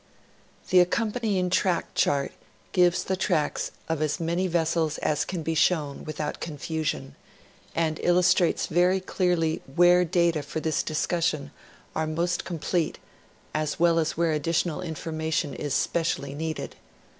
The accompanying Track Chart gives the tracks of as many vessels as can be shown without confusion, and illustrates very cleai'ly where data for this discussion are most complete, as well as where additional information is specially needed.